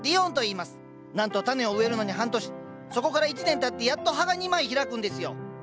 なんとタネを植えるのに半年そこから１年たってやっと葉が２枚開くんですよ。